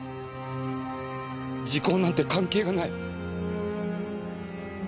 時効なんて関係がない。